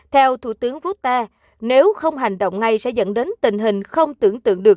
theo thủ tướng rota nếu không hành động ngay sẽ dẫn đến tình hình không tưởng tượng được